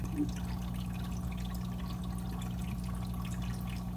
塔上灯光将按季节与主题而变动。